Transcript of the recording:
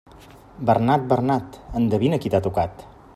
Bernat, Bernat endevina qui t'ha tocat.